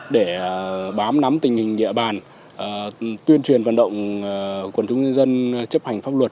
để bám nắm tình hình địa bàn tuyên truyền vận động của quân chúng dân chấp hành pháp luật